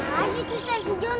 mana lagi susah sidirun